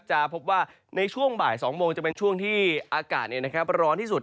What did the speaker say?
จะพบว่าในช่วงบ่าย๒โมงจะเป็นช่วงที่อากาศร้อนที่สุด